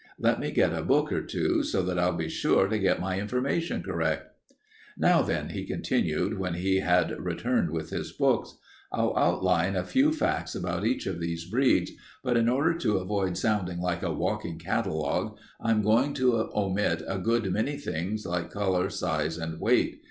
Let me get a book or two, so that I'll be sure to get my information correct. "Now then," he continued, when he had returned with his books, "I'll outline a few facts about each of these breeds, but in order to avoid sounding like a walking catalogue, I am going to omit a good many things like color, size, and weight.